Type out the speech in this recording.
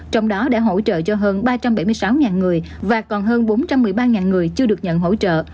trong đó để hỗ trợ cho hơn ba trăm bảy mươi sáu người và còn hơn bốn trăm một mươi ba người chưa được nhận hỗ trợ